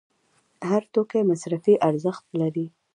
هر توکی مصرفي ارزښت لري.